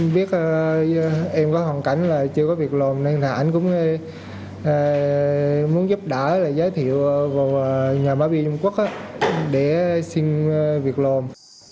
biết em có hoàn cảnh là chưa có việc lồn nên hắn cũng muốn giúp đỡ giới thiệu vào nhà má biên trung quốc để xin việc lồn